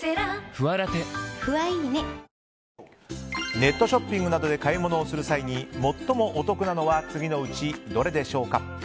ネットショッピングなどで買い物をする際に最もお得なのは次のうちどれでしょうか。